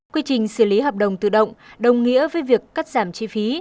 quy trình xử lý hợp đồng tự động đồng nghĩa với việc cắt giảm chi phí